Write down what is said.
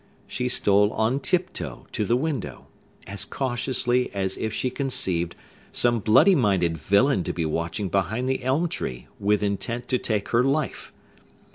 She stole on tiptoe to the window, as cautiously as if she conceived some bloody minded villain to be watching behind the elm tree, with intent to take her life.